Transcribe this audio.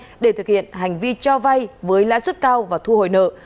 trà đã trực tiếp thực hiện hành vi cho vay với lãi suất cao và thu hồi nợ